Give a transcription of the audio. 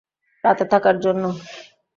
রাতে থাকার জন্য?